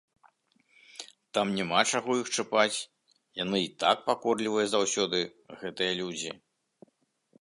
Там няма чаго іх чапаць, яны й так пакорлівыя заўсёды, гэтыя людзі.